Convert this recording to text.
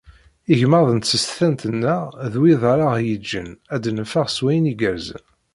Igmaḍ n tsestant-nneɣ d wid ara ɣ-yeǧǧen ad d-neffeɣ s wayen igerrzen.